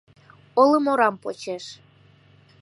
Олым орам почеш.